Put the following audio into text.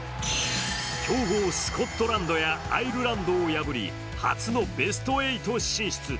強豪スコットランドやアイルランドを破り初のベスト８進出。